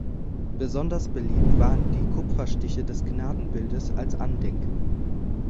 Besonders beliebt waren die Kupferstiche des Gnadenbildes als Andenken.